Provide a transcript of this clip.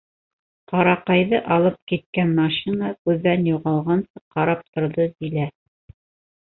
Ҡараҡайҙы алып киткән машина күҙҙән юғалғансы ҡарап торҙо Зилә.